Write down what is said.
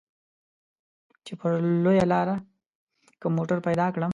چې پر لويه لاره کوم موټر پيدا کړم.